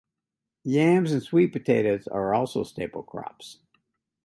Yams and sweet potatoes are also staple crops.